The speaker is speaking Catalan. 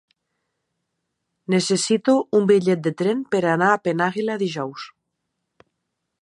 Necessito un bitllet de tren per anar a Penàguila dijous.